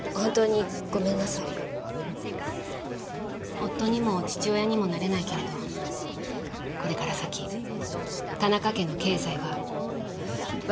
夫にも父親にもなれないけれどこれから先田中家の経済は私が責任を持って支えます。